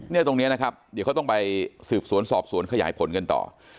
ตรงนี้นะครับเดี๋ยวเขาต้องไปสืบสวนสอบสวนขยายผลกันต่อ